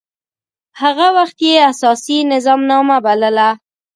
هغه وخت يي اساسي نظامنامه بلله.